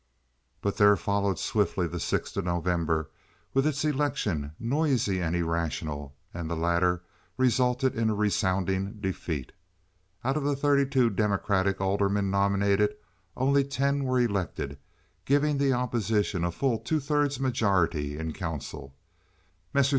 But there followed swiftly the sixth of November, with its election, noisy and irrational, and the latter resulted in a resounding defeat. Out of the thirty two Democratic aldermen nominated only ten were elected, giving the opposition a full two thirds majority in council, Messrs.